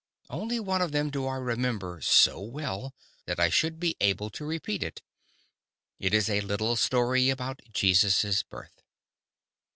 Only one of them do I remember so well that I should be able to repeat it. It is a little story about Jesus' birth.